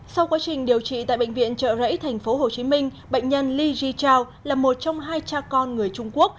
sau quá trình điều trị tại bệnh viện trợ rẫy tp hcm bệnh nhân li ji chao là một trong hai cha con người trung quốc